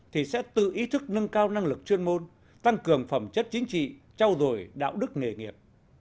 thì sẽ tự ý thức nâng cao năng lực chuyên môn tăng cường phẩm chất chính trị trao dồi đạo đức nghề nghiệp